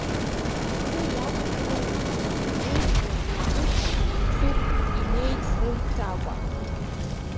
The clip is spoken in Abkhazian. Рхы иақәгәӷуа, рыжәҩа еибыҭан, еицуп инеицрымшәакәа.